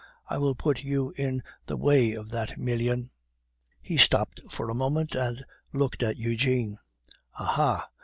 I will put you in the way of that million." He stopped for a moment and looked at Eugene. "Aha!